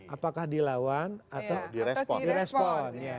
apakah dilawan atau di respon